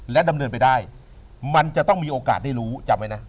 ดำเนินไปได้มันจะต้องมีโอกาสได้รู้จำไว้นะ